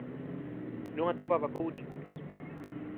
Non atopaba acougo en ningures